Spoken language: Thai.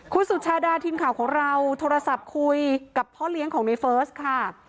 คุณสุชาดาทีมข่าวของเราโทรศัพท์คุยกับพ่อเลี้ยงของในเฟิร์สค่ะ